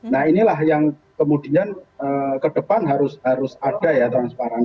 nah inilah yang kemudian ke depan harus ada ya transparan